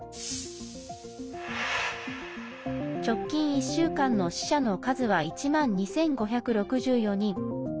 直近１週間の死者の数は１万２５６４人。